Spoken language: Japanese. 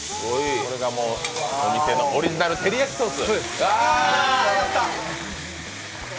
これが店のオリジナル照り焼きソース。